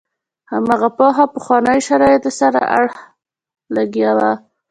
هماغه پوهه پخوانو شرایطو سره اړخ لګاوه.